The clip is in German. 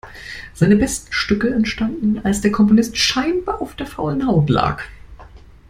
Seine besten Stücke entstanden, als der Komponist scheinbar auf der faulen Haut lag.